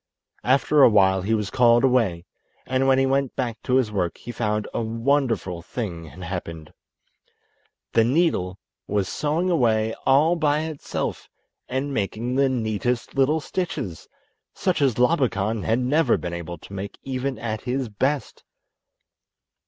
After a while he was called away, and when he went back to his work he found a wonderful thing had happened! The needle was sewing away all by itself and making the neatest little stitches, such as Labakan had never been able to make even at his best.